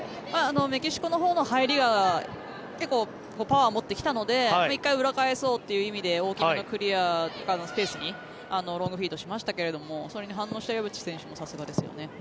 メキシコのほうの入りは結構パワーを持ってきたので１回、裏に返そうという意味で大きめのスペースにロングフィードしましたけどそれに反応した岩渕選手もさすがですよね。